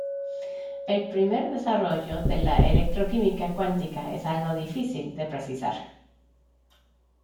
El primer desarrollo de la electroquímica cuántica es algo difícil de precisar.